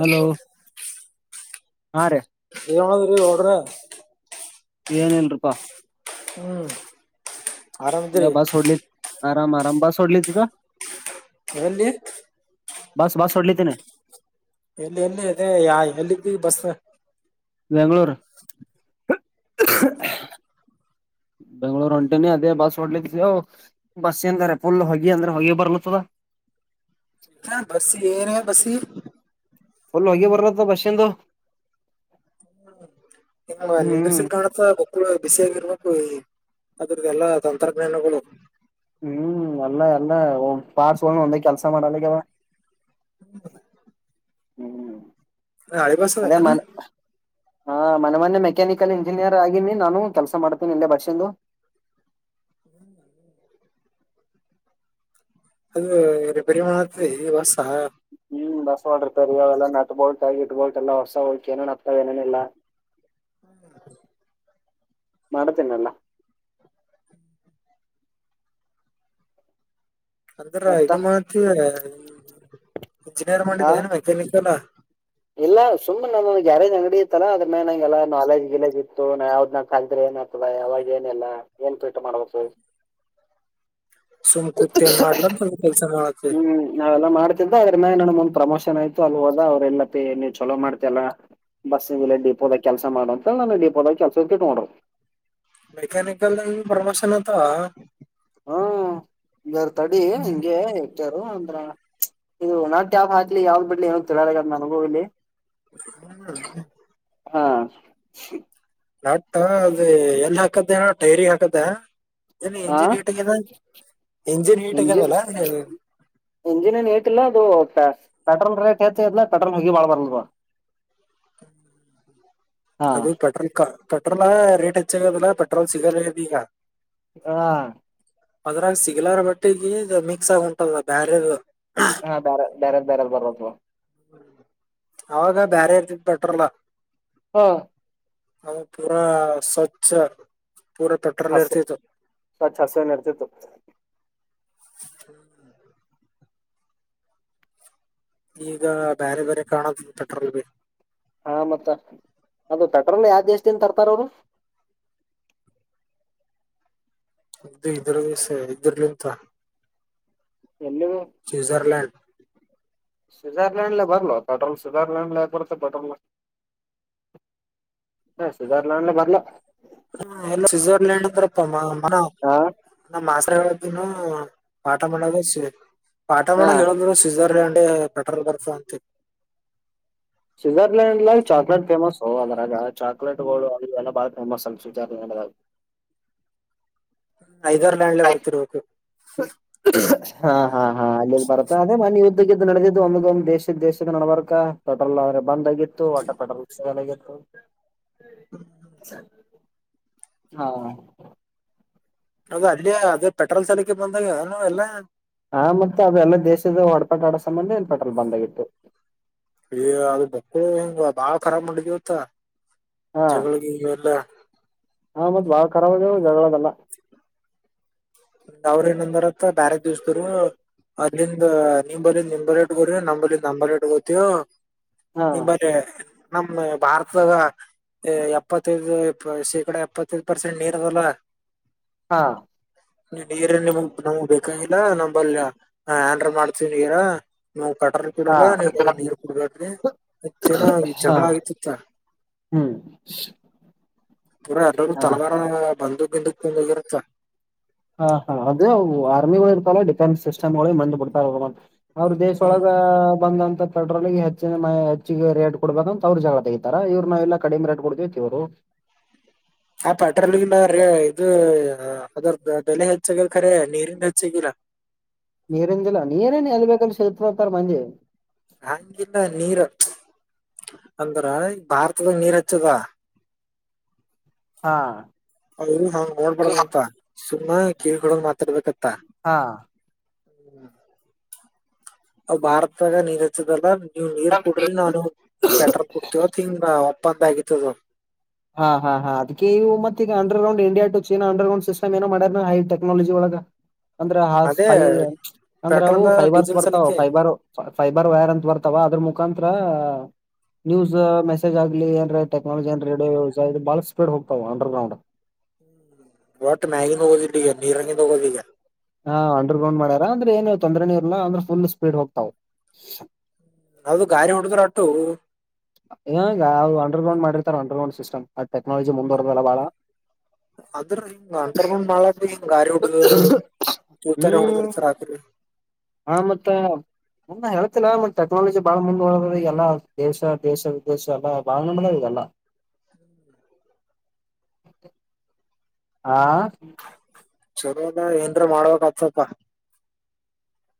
Hello ಹಾ ರೀ [unintelligible] ಏನ್ ಇಲ್ರಪಾ ಹ್ಮ್ ನ ಆರಾಮದ್ರಿ ಬಸ್ ಹೊಡ್ಲಿ ಆರಾಮ್ ಆರಾಮ ಬಸ್ ಹೋಡ್ಲಿದ್ದದ ಎಲ್ಲಿ ಬಾಸ್ ಬಸ್ ಹೋಡ್ಲಿಕತಿನೀ ಎಲ್ಲಿ ಎಲ್ಲಿ ಇದೆ ಎಲ್ಲಿ ಬಸ್ ಬೆಂಗಳೂರು ಬೆಂಗಳೂರು ಹೋಂಟನಿ ಅದೇ ಬಸ್ ಹೋಡಲಕ್ಕೆವು ಬಸ್ ಹಿಂದ ಅರೇ ಫುಲ್ ಹೊಗೆ ಅಂದ್ರೆ ಹೊಗೆ ಬರ್ಲತ್ತದ ಹ ಬಸಿ ಏನ ಬಸಿ ಫುಲ್ ಹೊಗಿ ಬರತ್ತ ಬಸ್ಸಂದು ಹ್ಮ ಹ್ಮ್ ನಿಂದಸಲ್ ಕಾ ಸ ಮಕ್ಕಳು ಬಿಸಿಯಾಗಿರ್ಬೇಕು ಅದ್ರ್ದ ಎಲ್ಲಾ ತಂತ್ರಜ್ಞಾನಗಳು ಹ್ಮ್ ಅಲ್ಲ ಎಲ್ಲ ಪಾರ್ಟ್ಸ ಒಂದು ಕೆಲ್ಸ ಮಾಡಲ್ಲ ಆಗ್ಯಾವ ಹ್ಮ ಹ್ಮ್ ಅದೇ ಏನು ಮನೆ ಹಾ ಮೊನೆ ಮೊನೆ ಮೆಕ್ಯಾನಿಕಲ್ ಇಂಜಿನಿಯರ್ ಆಗೀನಿ ನಾನು ಕೆಲಸ ಮಾಡ್ತೇನಿ ಇಲ್ಲೇ ಬಷಿಂದು ಹ್ಮ್ ಹ್ಮ್ ಅದು ರಿಪೇರಿ ಮಾಡತಿ ಬಸ್ಸಾ ಹ್ಮ್ ಬಸ್ ಹೊಡರ್ತರಿ ಅವೆಲ್ಲ ನಟ್ ಬೋಳ್ಟ ಇಟ್ಬೋಟ ಎಲ್ಲ ಹೊಸ ಹೋಗಿ ಏನೆನ ಹತ್ತವ ಏನಿಲ್ಲಾ ಹ್ಮ ಮಾಡ್ತೇನೇಲ್ಲಾ ಅಂದ್ರ ಇದು ಮತ್ತ ಇಂಜಿನಿಯರ್ ಹಾ ಮಾಡಿದ ಏನ್ ಮೆಕ್ಯಾನಿಕಲ್ ಇಲ್ಲ ಸುಮ್ಮ್ ನಮ್ಮ ಗ್ಯಾರೇಜ್ ಅಂಗಡಿ ಇತ್ತ ಅ್ರ ಮೇಲೆ ನಂಗೆಲ್ಲ ನಾಲಜ ಗಿಲೇಜ ಇತ್ತುಾ ಯಾವ್ದ ನ ಕ್ರೆ ಏನ್ ಅವಾಗ ಏನೆಲ್ಲಾ ಏನ್ ಪೀಟ ಮಾಡ್ಬೇಕು ಸುಮ್ ಕೂತ್ ಏನ್ ಮಾಡ್ಲಂತ ಕೆಲ್ಸ ಮಾಡತಿ ಹ್ಮ್ ನಾವೆಲ್ಲ ಮಾಡ್ ಆದ್ರ ಮ್ಯಾಗ ನನ್ನಗ ಒಂದ್ ಪ್ರಮೋಷನ್ ಆಯ್ತ ಅಲ್ಲಿ ಹೋದ ಅವ್ರ ಎಲ್ಲಪ್ಪ ನೀವು ಚಲೋ ಮಾಡ್ತಲ್ಲಾ ಬಸ್ಸ ಡಿಪೋದಾಗ ಕೆಲಸ ಮಾಡ ಅಂತ ನ ಡಿಪೋದಾಗ ಕೆಲಸಕ ಇಟ್ಟಗೋಡಾರು ಮೆಕ್ಯನಿಕಲ್ ದಾಂಡು ಪ್ರಮೋಷನ್ ಆಗ್ತಾವ ಹ್ಮ ಇದಾರ ತಡಿ ಹಂಗೆ ಹೆಟ್ಟಾರ ಅಂದ್ರ ಇದು ನೆಟ್ ಯಾವುದು ಹಾಕ್ಲಿ ಯಾವ್ದ್ ಬಿಡ್ಲಿ ಏನ ತಿಳಿವತ್ ನನಗೂ ಇಲ್ಲಿ ಹ್ಮ ಹಾ ನಟ್ ಅದು ಎಲ್ಲಿ ಹಾಕದೇನ ಟೈರಿಗಿ ಹಾಕುದಾ ಇಲ್ಲಿ ಹಾ ಎಂಜಿನ್ ಹಿಟ ಆಗೇದ ಎಂಜಿನ್ ಹಿಟ ಇಂಜಿನ್ ಆಗೇದಲ್ಲಾ ಇಂಜಿನ್ ಏನು ಹಿಟ್ ಆಗಿಲ್ಲ ಅದು ಪೆಟ್ರೋಲ್ ರೇಟ್ ಹೇಚ್ಚ ಆಗಿದೆಯಲ್ಲ ಇಲ್ಲ ಪೆಟ್ರೋಲ್ ಮುಗಿ ಬಾಳ ಬಾರ [inaudible] ಅದು [unintelligible] ಪಟ್ರೋಲಾ ರೇಟ್ ಹೆಚ್ಚಾಗದಿಲ್ಲೆಟ್ರೋಲ್ ಸಿಗ್ದ ಈಾ ಹಾ ಅದ್ರಾಗ ಸಿಗಲಾರ ಬಟ್ಟಿಗೆ ಮಿಕ್ಸ್ ಆಗ ಉಂಟದ ಬ್ಯಾರ ಹಾ ಬೇ ಬೇರೆ ಬೇರೆ ಬರೋದು ಅವಾಗ ಬೇರೆ ಇರ್ತ ಪಟ್ರಲ್ಲ ಹಾ ಹದು ಪೂರಾ ಸ್ವಚ್ಛ ಪೂರ ತಟ್ಟ ಹಸ ಸ ಹಸ ನ ಇರ್ತಿತ್ತು ಹ್ಮ ಈಗ ಬೇರೆ ಬೇರೆ ಕಾರಣದ ಪೆಟ್ರೋಲ್ ಬಿ ಹಾ ಮತ್ತ ಅದು ತಟ್ರನ ಯಾವ ದೇಸ್ಿಂದ ತರ್ತಾರ ಅವ್ರು ಇ್ದದು ಇದ್ರ ಸ ಇದ್ರಲಿಂತ ಎಲ್ಲ ಸ್ವಿಜರ್ಲ್ಯಾಂಡ್ ಸ್ವಿಜರ್ಲ್ಯ್ ಬರ ಪೆ್ರಲ್ ಸ್ವಿ್ರ್ಲ್ಯಂಡ್ ಬಡ್ತೆ್ರೋಲ್ ಹ ಸಧಾರ್ಲನ್ಲ್ಲ ಬರ್ಲಾ ಹ ಎ ಸ್ವಿಜರ್ಲ್ಯಂಡ್ ಅಂದ್ರಪ್ಪ ಮ ಹಾ ನಮ್ಮ್ ಆಸ್ರೆಗಳ್ದನು ಪಾಠ ಮಾಡದ ಸ ಪಾಠ ಹಾ ಮಾಡ ಹೇಳಿದ್ರು ಸ್ವಿಜರ್ಲ್ಯಂಡ್ ಪೆಟ್ರೋಲ್ ಬರ್ಫು ಅಂತ ಸ್ವಿಜರ್ಲೆಯಂಡ್ ಲಾಗ ಚಾಕ್ಲೇಟ್ ಫೇಮಸ್ು ಅದರಾಗ ಚಾಕ್ಲೇಟ್ ಗಳು ಅಲ್ಲ ಬಾಳ ಫೇಮಸ್ ಅಲ್ ಸುಜಾತ ಐದ್ ಲ್ಯಂಡ್ ಲೆ ಬರ್ತಿರ್ರಬೇಕು ಹಾ ಹಾ ಹಾ ಅಲ್ಲಿಲ್ಲಿ ಬರ್ತಾ ಅದೆ ಮನ ು ನಡೆದಿದ್ದು ಒಂದ್ ಒಂದು ದೇಶದ ದೇಶದ ನಡಬಾರ ಪೆಟ್ರೋಲ್ ಆದ್ರೆ ಬಂದ ಆಗಿತ್ತು ವಟ ಪೆಟ್ರೋಲ್ ಹಾ ನಾಗ ಅಲ್ಲಿ ಅದೇ ಪೆಟ್ರೋಲ್ ಸಲಕೆ ಬಂದಾಗ ಎಲ್ಲ ಹಾ ಮತ್ತೆ ಅಲ್ಲ ದೇಶದ ಹೊಡಪೆಟ ಆಡೋ ಸಂಬಂಧ ಏನ್ಪೆಟಲ್ ಬಂದಾಗಿಿತ್ತು ಇ ಅದು ಬಕ್ಕಳ ಹಿಂಗ ಬಾಳ ರಾಬ್ ಮಾಡಿದವತ್ತ ಹಾ ಜಗಳಿಗೆ ಎಲ್ಲ ಹಾ ಮತ್ತತ್ ಬಾಳಖರಾರ ಆಗಾವ ಜಗಳದಲ್ಲ [inaudible] ಅವ್ರ ಏನಂದಾರತ್ರ ಬ್ಯಾರ ದಿವ್ಸದರು ಅಲ್ಲಿಂದ ನಿಮ ಬಲ್ಲಿಂದ ರ್ೇಟ್ ಗೋಡ ನಮ್ಲಂದ ನಂಬರ್ ರೇಟ್ ಗೊತವು ಹಾ ಈ ಬರ ನಮ ಭಾರತಾಗ ಎಪ್ಪತ್ತೈದು ಶೇಕಡಾ ಎಪ್ಪತ್ತೈದು ಪರ್ಸೆಂಟ್ ನೀರ್ದಲ್ಲ ಹಾಂ ನೀರ್ ನಿಮಗ್ ನಮಗ್ ಬೇಕಾಗಿಲ್ಲ ನಂಬಲ್ ಆನ್್ರ ಮಾಡ್ತೀವಿ ನೀರ ನಾವು ಕಟ್ರ ಹಾ ಕೊಡಲ್ಲ ನೀನು ನೀರ್ ಕುಡ್ಬಾದ್ರಿ ಮತ್ತೇಏನ ಹಾ ಜಗಳ ಆಗಿತಿತ್ತ ಹ್ಮ್ ಪೂರ ಎಲ್ಲೂ ಹಾ ತಲವಾರ ಬಂದ ಗಿಿಂದ ಕುಂದೋಗಿರುತ್ತಾ ಹಾ ಹಾ ಅದದು ಆರ್ಮಿಗಳು ಇರ್ತಾರ ಡಿಫೆನ್ಸ್ ಸಿಸ್ಟಮ್ಗಳು ಬಂದ್ ಬಿಡ್ತಾರ ಅವ್ರ ದೇಶ ಒೊಳಗ ಬಂದಂತ ಪೆಟ್ರೋಲ್ಗೆ ಹೆಚ್ಚಿನ ಹೆಚ್ಚಿಗೆ ರೇಟ್ ಕೊಡ್ಬೇಕ ಅಂತ ಅವ್ರರು ಜಗಳ ತೆತಾರೆ ಇವರು ನಾವೆಲ್ಲ ಕಡಿಮೆ ರೇಟ್ ಕೊಡ್ತಿೀವಿತಿವರು ಹಾ ಪೆಟ್ರೋಲ್ಗಿಲ್ಲೀ ಇದು ಅದ ಬೆಲೆ ಹೆಚ್ಚಗದ ಖರೆ ನೀರಿಂದ ಹೆಚ್ಚಾಗಿಿಲ್ಲ ನೀರಿಂದಿಲ್ಲ ನೀರೇನ್ ಎಲ್ ಬೇಕಲ್ ಶತ್ರತಾರ್ ಮಂದಿ ಹಂಗಿಲ್ಲ ನೀರ್ ಅಂದ್ರ ಈ ಭಾರತದಾಗ ನೀರ್ ಹಚ್ಚದ. ಹಾ. ಹೌದು ಹಾಂಗ್ ನೋಡ್ಬಾರಡ್ದ ಅಂತ ಸುಮ್ಮ ಕೀ ಹಡಂಗ ಮಾತಾಡ್ಬೇಕತ್ತ. ಹಾ. ಹ್ಮ್. ಅವ್ ಭಾರತಾಗ ನೀರ್ ಹಚ್ಚದಲ್ಲ ನೀವ್ ನೀರ್ ಕುಡ್ರಿ ನಾನು. ಸ್ವೆಟರ್ ಕುಡ್ತಿವ ಹಂಗ ಒಪ್ಪಂದ ಆಗತದು. ಹಾ ಹಾ ಹಾ ಅದ್ ಇವು ಮತ್ತ ಈಗ ಅಂಡರ್ಡ ಇಂಡಿಯ ಟ ಚೀನಾ ಅಂಡರ್ಡ್ ಸಿಸ್ಟ್ ಏನ ಮಾಡಾರ ಹೈ ಟೆಕ್ನಾಲಜಿ ಒಳಗ. ಅಂದ್ರೆ ಹ ಅದೇ ಅಂದ್ರೆ ಅವು ಪೆಟ್ರೋಲ್ ಫೈಬರ್ಸ್ ಡೀಸೆಲ್ ಬರ್ತಾವ ಸಲಿಕೆ ಫೈಬರ್. ಫೈಬರ್ ವೈರ್ ಅಂತ ಬರ್ತಾವ ಅದ್ರ ಮುಖಾಂರ. ನ್ಯಸ್ ಮೆಸೇಜ್ಗ್ಲಿ ಏನ್ ಟೆಕ್ಲಜಿ ಏನ್ ರೇಡೋ ಬಾಳ ಸ್ಪೀಡ್ ಹೋಗ್ತಾವ ಅಂಡರಡ್. ಒಟ್ಟ ಮ್ಯಾಗಿದ ಹೋಗೋದಿಟ್ಟ ಈಗ ನೀರಂಗಿನ್ ಹೋಗೋದ ಈಗ. ಹಾ ಅಂಡರ್ ಗ್ರೌಂಡ್ ಮಾಡ್ಯಾರ ಅಂದ್ರೆ ಏನು ತೊಂದೆೇ ಇಲ್ಲ ಅಂದ್ರೆ ಫುಲ್ ಸ್ಪೀಡ್ ಹೋಗ್ತಾವ್ ನಾವ್ದ ಗಾರಿ ಹುಡದ್ರ ಅಟ್ಟು. ಹಗ ಅಂಡರ್ ಮಾಡರ್ತಾರೆ ಅಂಡರಡ್ ಸಿಸ್ಟಮ್ ಟೆಕ್ನಾಲಜಿ ಮುಂದುವರದಲ್ಲ ಬಾಳ. ಅದ್ರ ಹಿಂಗ ಅಂಡರ್ ಗ್ರೌಂಡ್ ಮಾಳ ಹಿಂಗ ಗಾರಿ ಉಡ ತೂತಾನ ಹೊಡದರ್ ಸರ್ರಿ. ಹಾ ಮತ್ತ. ಹ ಹೇಳ್ತಿಲ್ಲ ಮತ್ತ ಟೆಕ್ನಾಲಜಿ ಬಾಳ ಮುಂದ್ುವ ಎಲ್ಲ ದೇಶ ದೇಶ ವಿದೇಶ ಎಲ್ಲಾ ಬಾಳ ನದೆಲ್ಲ. ಹಾ. ಚಲೋದ ಏನ್್ರ ಮಾಡ್ಬೇಕಕ್ ಆತಪ.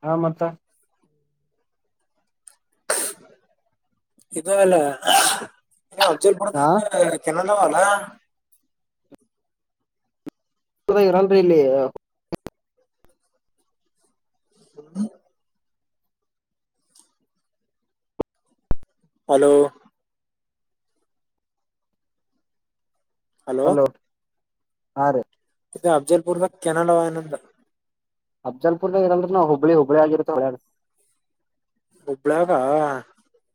ಹಾ ಮತ್ತ. ಇ ಎಲ್ಲ ನೀ ಅಚಲ್ಪುರದ ಹಾ ಕೆನ್ನದವಲ್ಲ. ಇರಲ್ರಿ ಇಲ್ಲಿ. ಹ್ಮ. ಹಲೋ. ಹಲೋ ಹಾ ರೇ. ಇದು ಅಫಜಲ್ಪುರ್ದ ಕೆನಲ್ ನ. ಅಬ್್ಲ್ಪುರ್ದ ಇರಲ್ ನಾ ಹುಬಳ್ಳಿುಬ್ಳ್ಳಿಗಿತ್ತ. ಹುಬ್ಬಳಗ. ಹಾ.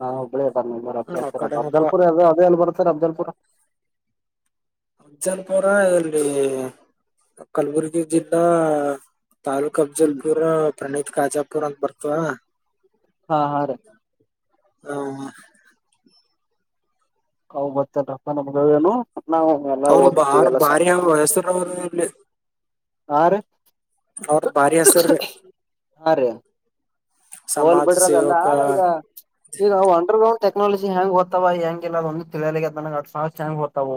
ಹಾ ಒಬ್ಬಳೇ ನಿ ರ ಹತಾರೆ ಕಡೆನಪ್ಪ ಅಬ್ದಲ್ಪು ಅದದೆಲ್ಲಿ ಬರ್ತಾರೆ ಅಬ್ದಲ್ಪುರ. ವಿಜ್ಜನಪುರ ಇಲ್ಲಿ ಕಲಬುರ್ಗಿ ಜಿಲ್ಲಾ ತಾಲೂಕ್ು. ಹ್ಮ್ ಕಬ್ಜಲ್ಪುರ್ ಪ್ರಣೀತ್ ಕಾಜಾಪುರ್ ಅಂತ ಬರ್ತವ. ಹಾ ಹಾ ರೀ. ಹ ಹಾ. ಹ್ ಬತ್ತಾರಪ್ಪ ನಮಗ ಏನು. ಅವರು ಬಾರ್ ಬಾರಿ ವಯಸ್ಸರ ಅವರು ಇಲ್ಲಿ. ಹಾ ರೀ. ಅವ್ರದ ಭಾರಿ ಹಸರ. ಹಾ ರೀ ಹೋಲ್ ಬಿಡ್ರದಲ್ಲ ಈಗ. ಈಗಾವು ಅಂಡರ್್ರೌಂಡ್ ಟೆಕ್ನಾಲಜಿ ಹೆಂಗ ಓ್ತವ ಹೆಂಗಿಲ್ಲ ಅ ಒಂದು ತಿಳಿಯಲಿ ಹೆಂಗ್ ತ್ತಾವ.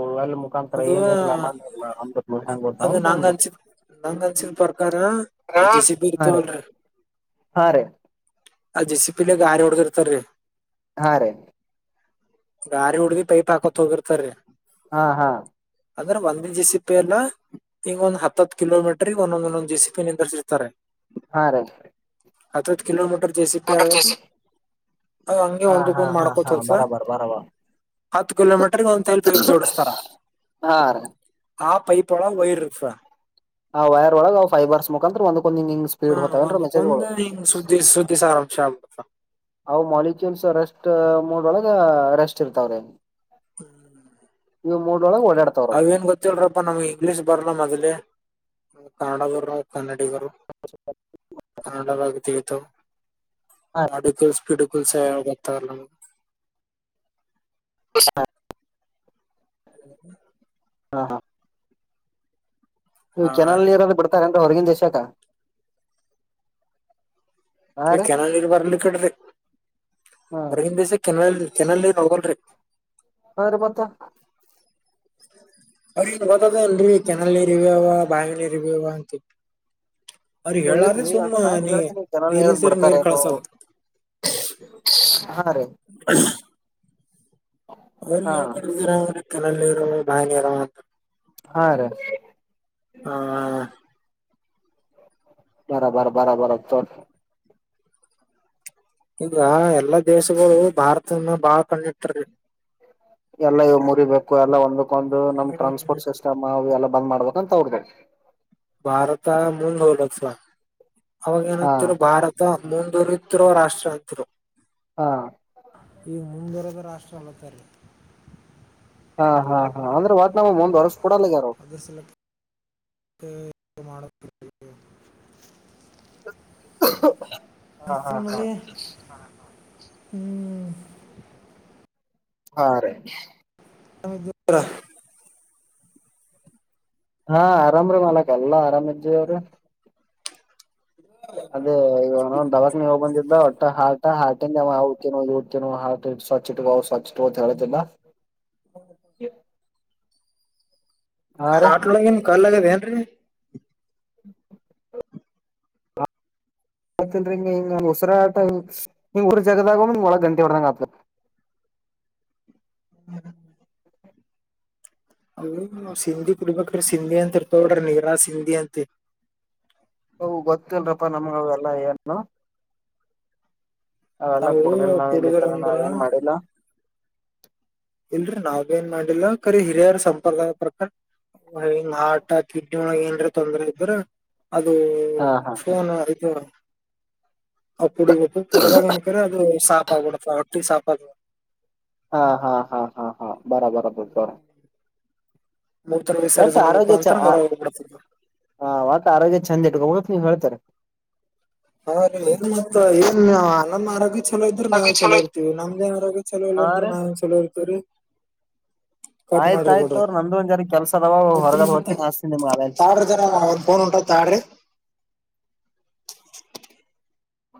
ಮುಖಾಂತರ ಅದು ಏನ ಇರ್ಾ ಮ ಇಲ್ಲ ಅ ಅದು ನಂಗ ಹಂಗಮ್ದು. ಅನ್ಸಿದ ನಂಗ ಅನ್ಸಿಲ್ಪರ್ಕಾರ ಜಸ ಬಿ ಹಾ ರೀ ಇರ್ತವಲ್ರಿ. ಹಾ ರೀ. ಆ ಜೆಸಿ ಪಿಲಿ ಗಾರೆ ಹೊಡದಿರ್ತಾರೀ. ಹಾ ರೀ. ಗಾರಿ ಹುಡ್ದಿ ಪೈಪ್ ಹಾಕೋತ್ ಹೋಗಿರ್ತಾರಿ ಹ ಹಾ. ಅಂದ್ರೆ ಒಂದೆ ಜೆಸಿಪ್ಪಿ ಎಲ್ಲಾ ಈಗ ಒಂದ ಹತ್ತ ಹತ್ ಕಿಲೋಮೀಟರ್ ಗೆ ಒಂದೊಂದಂದೊಂದ್ ಜಿಸಿಪಿ ನಿಂದ್ರರ್ಸಿರ್ತಾರ. ಹಾ ರೇ. ಹತ್ ಹತ್ ಕಿಲೋಮೀಟರ್ ಜೆಸಿಪಿ ಆಗಾಕು ಅದ ಹಂಗೆ ಹಾ ಹಾ ಒಂದಕ್ಕೊಂದ್ ಹಾ ಮಾಡ್ಕೋತ್ ಹಾ [unintelligible] ಬರಾಬರ್ ಬರಾಬರ್ ಹತ್ತ ಕಿಲೋಮೀಟರ್ ಒಂದ ತೈಲ್ ಪೈಪ್ ಜೋಡಸ್ತಾರ ಹಾ ರ ಆ ಪೈಪ್ ವಳಗ್ ವೈರ್ ಇರ್ತದ ಆ ವೈರ್ ಒಳಗ್ ಅವು ಫೈಬರ್ಸ್ ಮುಖಾಂತರ ಒಂದಕ್ಕೊಂದ ಹಿಂಗಿಂಗ್ ಹಾ ಒಂದಕೊಂದ ಹಿಂಗ್ ಸುದ್ದಿ ಸುದ್ದಿ ಸಾರಾಂಶ ಆಗುತ್ತಾ ಅವು ಮಾಲಿಕ್ಯೂಲ್ಸ್ ರೆಸ್ಟ್ ಮೂಡ್ ಒಳಗ ರೆಸ್ಟ್ ಇರ್ತಾವ್ರೀ. ಇವು ಮೂಡ್ ಒಳಗ್ ಓಡ್ಯಾತ್ ಅವೇನ್ ಗೊತ್ತಿಲ್ರಪ್ಪಾ ನಮ್ಗೆ ಇಂಗ್ಲಿಷ್ ಬರಲ್ಲ ಮೊದ್ಲೇ ನಾವ್ ಕನ್ನಡಾದವರ್ ಕನ್ನಡಿಗರು [unintelligible] ಕನ್ನಡಾದಾಗ್ ತಿಳಿತಾವ್. ಮಾಡುಕೆಲ್ಸ್ ಪಿಡುಕೆಲ್ಸ್ ಗೊತ್ತಾಗಲ್ಲ ನಮ್ [unintelligible] [inaudible] ಹಾ ಹಾ. ಇವು ಹಾ ಕೆನಾಲ್ ನೀರದು ಬಿಡ್ತಾರೆನ್ರಿ ಹೊರಗಿನ್ ದೇಶಕ್ [inaudible] ಏ ಕೆನಾಲ್ ನೀರ್ ಬರ್ಲಿ ಇಕಡ್ರಿ ರೀ ಹಾ ಹೊರಗಿನ್ ದೆಶಕ್ ಕೆನಾಲ್ ಕೆನಲ್ ನೀರ್ ಹೋಗಲ್ರಿ. ಹಾ ರಿ ಮತ್ತ್ ಅವ್ರಿಗೆನ್ ಗೊತ್ತದ ಅಲ್ರರಿ ಕೆನಲ್ ಇರಿವ್ಯವ ಬಾವಿ ಇರಿವ್ಯವ ಅಂತಿತ್ತ್ ಓ ಇಲ್ರಿ ಅಂದ್ರ ನಾನ್ ನೀ ಕೇಳ್ತೀನಿ ಕೆನಾಲ್ ನೀರಿನ್ ನೀರದ್ ಸೇರಿ ನೀರ್ ಬಿಡ್ತಾರೇನೋ ಕಳ್ಸೋದು [unintelligible] ಹಾನರೀ ಹಾ [unintelligible] ಕೆನಾಲ್ ನೀರ್ ಬಾವಿ ನೀರ್ ಅಂತ್ ಹಾ ರೀ ಅಣ್ಣಾ ಆ [unintelligible] ಬಾರಬರ ಬಾರಬರ ಚೊ [unintelligible] ಈಗ ಎಲ್ಲಾ ದೇಶಗೊಳು ಭಾರತನ ಬಾಳ್ ಕಂ ಎಲ್ಲಾ ಇವು ಮುರಿಬೇಕು ಎಲ್ಲಾ ಒಂದಕ್ಕೊಂದು ನಮ್ ಹ್ಮ್ ಟ್ರಾನ್ಸ್ಪೋರ್ಟ್ ಸಿಸ್ಟಮ್ ಅವು ಎಲ್ಲ ಬಂದ್ ಮಾಡ್ಬೇಕು ಅಂತ ಅವ್ರದ್. ಭಾರತಾ ಮುಂದೋ [unintelligible] ಅವಾಗ ಹಾ ಏನಂತ್ತಿರು ಭಾರತ ಮುಂದೋರ ತ್ತಿರುವ ರಾಷ್ಟ್ರ ಆತ್ರು ಹಾ ಈಗ ಮುಂದುವರೆದ ರಾಷ್ಟ್ರ ಅಲ್ಲತ್ತಲ್ಲಿ ರಿ ಹಾ ಹಾ ಹಾ ಅಂದ್ರೆ ಒಟ್ ನಮ್ಗಮುಂದ್ ಒರಸ್ ಕೊಡಲ್ಲಗ್ಯಾರ್ ಅವ್ರ ಒಂದಸಲಕ್ಕ್ [unintelligible] ಕ್ಕುಹೂ [unintelligible] ಮತ್ತೆನ್ ಮಳಿ [unintelligible] ಹಾ ಹ್ಮ್. ಹಾ ರೀ. [unintelligible] ಹಾ ಆರಾಮ ರೀ ಮಾಲಕ್ ಎಲ್ಲಾ ಆರಾಮ ಇದ್ದೀವ್ರೀ. ಅದ ಈಗ ಅವ್ನೌನ ದವಾಕನೀಗ್ ಹೋಗ್ ಬಂದಿದ್ದ ಒಟ್ಟೆ ಹಾಕ [unintelligible] ಸ್ವಚ್ ಇಟ್ಗೊ ಅವು ಸ್ವಚ್ ಇಟ್ಗೊ ಹೇಳಾತಿದ್ದಾ ಹ್ಮ [inaudible] [inaudible] ಹ ಆಟೊಳಗೇನ್ ಕಲ್ ಆಗದ ಏನ್ರರಿ. [inaudible] ಆತ್ತನ್ [unintelligible] ಉಸರಾಟ ಹಂಗ ಊರ ಜದಾಗ ಒಳಗ ಗಂಟಿ ಹೊಡ್ದಂಗ ಆತದ. ಹ್ಮ. ಹ ಸಿಂಧಿ ಕುಡ್ಬೇಕ್ರ ಸಿಂಧಿ ಅಂತ ಇರ್ತಗಡ್ರಿ ನಿರಾ ಸಿಂಧಿ ಅಂತೆ. ಹ ಗೊತ್ತಿಲ್ರಪ್ಪಾ ನಮ್ಗ ಅವ ಎಲ್ಲ ಏನು. ಅವೆಲ್ಲ ಅವರು ಕುಡುದಿಲ್ಲ ನಾವ್ ಇಲ್ಲಿ ತರ ಕುಡುಗರಂದ್ರ ನಾವ್ ಏನ್ ಮಾಡಿಲ್ಲ. ಇಲ್ರೀ ನಾವ್ ಏನ್ ಮಾಡಿಲ್ಲ ಕರೆ ಹಿರಿಯರ ಸಂಪ್ರದಾಯ ಪ್ರಕಾರ. ಅವ ಏನ್ ಹಿಂಗ್ ಹಾರ್ಟ್ ಕಿಡ್ನಿ ಒಳಗ ಏನ್ರ ತೊಂದ್ರೆ ಇದ್ರ ಅದು. ಹಾ ಹಾ. [unintelligible] ಇದು ಅವ ಕುಡಿಬೇಕು ಕೂಡದಾಗ್. ದ್ರ ಅದು ಸಾಪ್ ಆಗ್ಬಿಡುತ್ತ ಹೊಟ್ಟಿ ಸಾಪ ಆಗ ಹಾ ಹಾ ಹಾ ಹಾ ಹಾ ಬರಬರ ಬ ಸರ. ಮೂತ್ರ ವಿಸರ್ಜನ ಮುಖಾಂತರ ಹೊರಗ ಹೋಗ್ಬಿಡ್ತದೆ. ಹಾ ವಟ್ ಆರೋಗ್ಯ ಚಂದ ಇಟ್ಕೋಬೇಕ್ ಅಂತ ನೀವ್ ಹೇಳ್ತೇರಿ. ಹಾ ರೀ ಏನ್ ಮ ಏನ್ ಅನಂದ ಆರೋಗ್ಯ. ಚಲೋ ಇದ್ರೆ ನಾವ್ ಚಲೋ ಇರ್ತೀವಿ ನಮ್ದೇಆರೋಗ್ಯ ಚಲೋ ಇಲ್ಲ ಹಾ ಅಂದ್ರೆ ರೀ ನಾವು ಹೇಗೆ ಚಲೋ ಇರ್ತೀವರಿ. ಆಯ್ತಾಯ್ತ ತೋರಿ ನಂದು ಒಂದ ಜಾರಿ ಕೆಲ್ಸ ಅದವ ಹೊರಗ ಅದು ಮತ್ತ ಹೋಗ್ತೀನಿ ಆಸ್ತಿನಿ ನಿಮಗ ಆಮೇಲೆ. ತಾಳ್ರಿ ಜರಾ ಅವರ ಫೋನ್ ಹೊಂಟದ್ ತಾಳ್ರಿ.